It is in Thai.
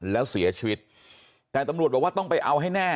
แล้วเสียชีวิตแต่ตำรวจบอกว่าต้องไปเอาให้แน่